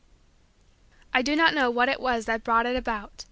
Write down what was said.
I do not know what it was that brought it about.